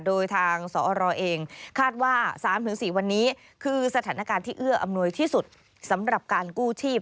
โดยทางสอรเองคาดว่า๓๔วันนี้คือสถานการณ์ที่เอื้ออำนวยที่สุดสำหรับการกู้ชีพ